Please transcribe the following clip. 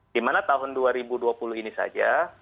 di mana tahun dua ribu dua puluh ini saja